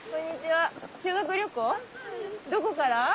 どこから？